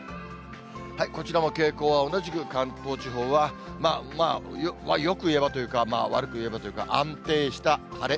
こちらも傾向は同じく、関東地方はまあ、よく言えばというか、悪く言えばというか、安定した晴れ。